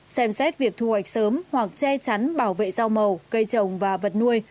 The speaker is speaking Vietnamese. xem xét việc thu hoạch sớm hoặc che chắn bảo vệ rau màu cây trồng và vật nuôi